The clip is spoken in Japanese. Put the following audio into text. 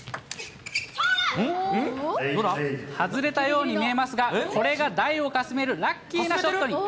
外れたように見えますが、これが台をかすめるラッキーなショットに。